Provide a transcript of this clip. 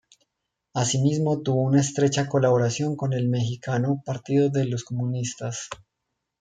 Así mismo tuvo una estrecha colaboración con el mexicano Partido de los Comunistas.